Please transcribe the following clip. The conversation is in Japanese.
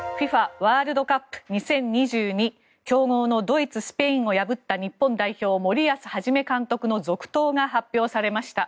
ワールドカップ２０２２強豪のドイツ、スペインを破った日本代表、森保一監督の続投が発表されました。